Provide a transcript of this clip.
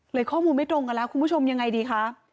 ข้อมูลไม่ตรงกันแล้วคุณผู้ชมยังไงดีคะ